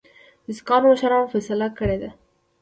د سیکهانو مشرانو فیصله کړې ده.